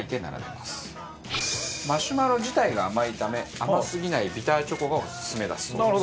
マシュマロ自体が甘いため甘すぎないビターチョコがオススメだそうです。